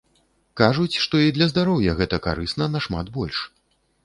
Кажуць, што і для здароўя гэта карысна нашмат больш.